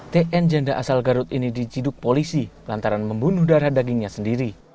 tn janda asal garut ini diciduk polisi lantaran membunuh darah dagingnya sendiri